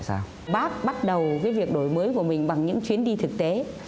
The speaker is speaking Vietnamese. sau bác bắt đầu cái việc đổi mới của mình bằng những chuyến đi thực tế